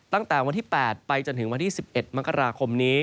ตั้งแต่วันที่๘ไปจนถึงวันที่๑๑มกราคมนี้